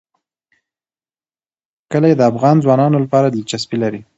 کلي د افغان ځوانانو لپاره دلچسپي لري.